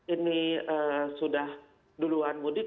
ini sudah duluan mudik